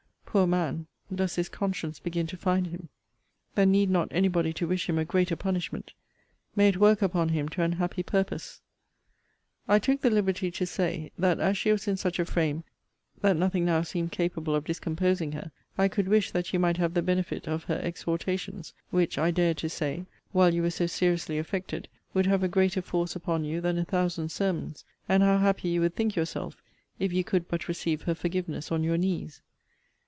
Poor man, does his conscience begin to find him! Then need not any body to wish him a greater punishment! May it work upon him to an happy purpose! I took the liberty to say, that as she was in such a frame that nothing now seemed capable of discomposing her, I could wish that you might have the benefit of her exhortations, which, I dared to say, while you were so seriously affected, would have a greater force upon you than a thousand sermons; and how happy you would think yourself, if you could but receive her forgiveness on your knees.